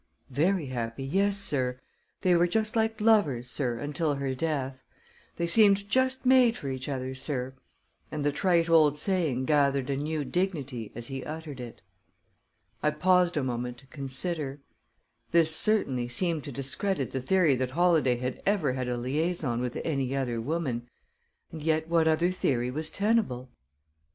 "Very happy; yes, sir. They were just like lovers, sir, until her death. They seemed just made for each other, sir," and the trite old saying gathered a new dignity as he uttered it. I paused a moment to consider. This, certainly, seemed to discredit the theory that Holladay had ever had a liaison with any other woman, and yet what other theory was tenable?